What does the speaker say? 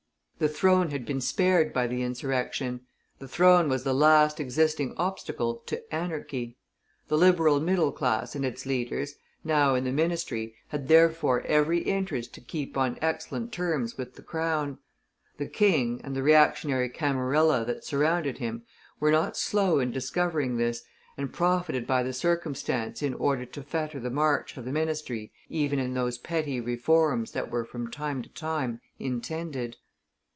The throne had been spared by the insurrection; the throne was the last existing obstacle to "anarchy"; the liberal middle class and its leaders, now in the ministry, had therefore every interest to keep on excellent terms with the crown. The King, and the reactionary camerilla that surrounded him, were not slow in discovering this, and profited by the circumstance in order to fetter the march of the ministry even in those petty reforms that were from time to time intended.